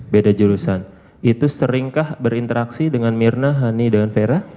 beda jurusan itu seringkah berinteraksi dengan mirna hani dengan vera